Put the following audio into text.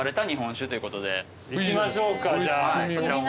いきましょうかじゃあ。